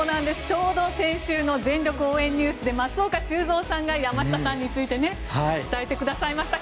ちょうど先週の全力応援Ｎｅｗｓで松岡修造さんが山下さんについて伝えてくださいました。